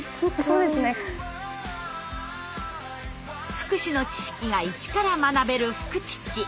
福祉の知識が一から学べる「フクチッチ」。